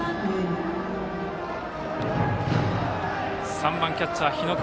３番キャッチャー、日隈。